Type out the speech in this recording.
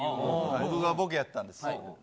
僕がボケやったんすよ。